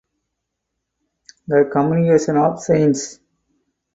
the communion of saints